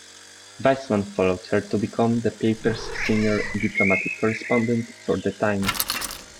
Weisman followed her to become the paper's senior diplomatic correspondent for the Times.